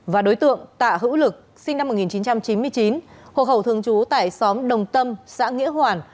và đối tượng tạ hữu lực sinh năm một nghìn chín trăm chín mươi chín hộ khẩu thường trú tại xóm đồng tâm xã nghĩa hoàn